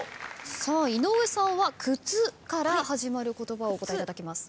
井上さんは「くつ」から始まる言葉をお答えいただきます。